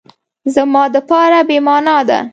زما دپاره بی معنا ده